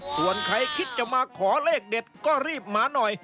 ส่วนใครคิดจะมาขอเลขเด็ดก็รีบมาหน่อย